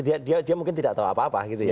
dia mungkin tidak tahu apa apa gitu ya